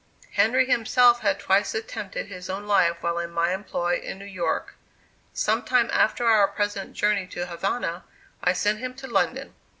Henry himself had twice attempted his own life while in my employ in New York. Some time after our present journey to Havana, I sent him to London.